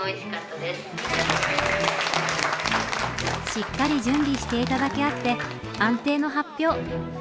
しっかり準備していただけあって安定の発表。